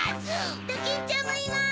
ドキンちゃんもいます！